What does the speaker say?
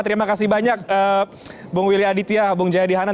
terima kasih banyak bung willy aditya bung jayadi hanan